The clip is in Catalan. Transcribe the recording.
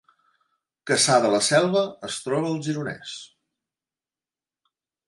Cassà de la Selva es troba al Gironès